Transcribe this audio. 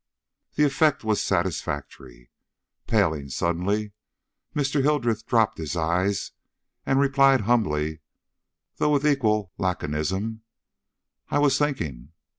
The effect was satisfactory. Paling suddenly, Mr. Hildreth dropped his eyes and replied humbly, though with equal laconism, "I was thinking."